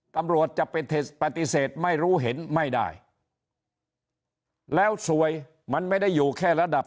ตำรวจจะเป็นปฏิเสธไม่รู้เห็นไม่ได้แล้วสวยมันไม่ได้อยู่แค่ระดับ